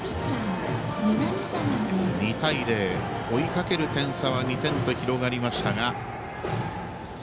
２対０、追いかける点差は２点と広がりましたが。